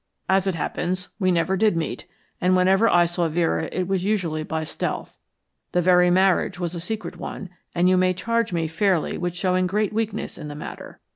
As it happens, we never did meet, and whenever I saw Vera it was usually by stealth. The very marriage was a secret one, and you may charge me fairly with showing great weakness in the matter.